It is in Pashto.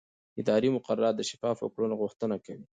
اداري مقررات د شفافو کړنو غوښتنه کوي.